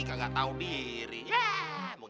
kagak tau dirinya